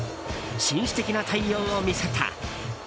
紳士的な対応を見せた。